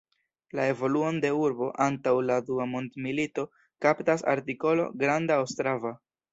La evoluon de urbo antaŭ la dua mondmilito kaptas artikolo Granda Ostrava.